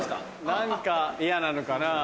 何か嫌なのかな。